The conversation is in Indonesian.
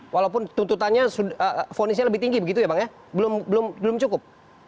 walaupun tuntutannya fonisnya lebih tinggi begitu ya bang ya belum cukup